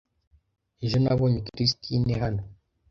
Ejo nabonye Christine hano.